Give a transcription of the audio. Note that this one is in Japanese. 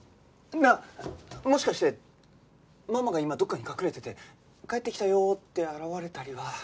なあもしかしてママが今どっかに隠れてて帰ってきたよ！って現れたりは？